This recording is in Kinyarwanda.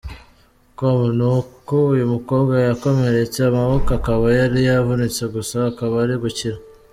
com ni uko uyu mukobwa yakomeretse amaboko akaba yari yavunitse gusa akaba ari gukira.